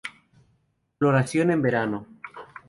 Floración en verano.